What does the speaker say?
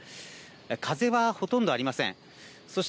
風はほとんどありません。